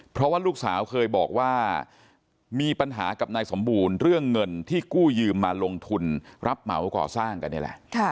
เพราะว่าลูกสาวเคยบอกว่ามีปัญหากับนายสมบูรณ์เรื่องเงินที่กู้ยืมมาลงทุนรับเหมาก่อสร้างกันนี่แหละ